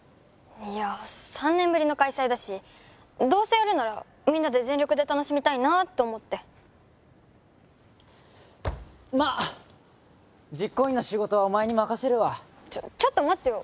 いや三年ぶりの開催だしどうせやるならみんなで全力で楽しみたいなと思ってまっ実行委員の仕事はおまえに任せるわちょちょっと待ってよ